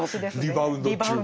リバウンド。